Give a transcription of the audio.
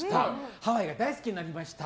ハワイが大好きになりました。